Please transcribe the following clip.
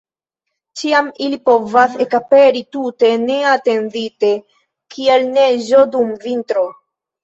Ĉiam ili povas ekaperi, tute neatendite, kiel neĝo dum vintro!